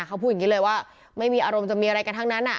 เขาพูดอย่างนี้เลยว่าไม่มีอารมณ์มีการอะไรทั้งนั้นน่ะ